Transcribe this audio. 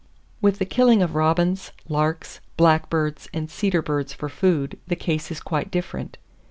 With the killing of robins, larks, blackbirds and cedar birds for food, the case is quite different.